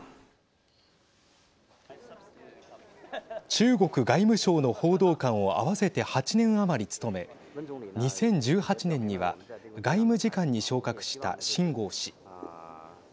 中国外務省の報道官を合わせて８年余り務め２０１８年には外務次官に昇格した秦剛氏。